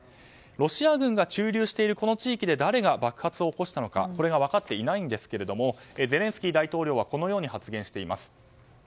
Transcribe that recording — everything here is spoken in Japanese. ロシア軍が駐留しているこの地域で誰が爆発を起こしたのかは分かっていないんですがゼレンスキー大統領はこのように発言しています。